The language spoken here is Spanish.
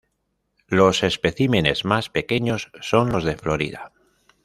Los especímenes más pequeños son los de Florida.